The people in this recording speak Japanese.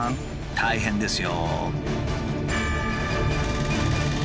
大変ですよ。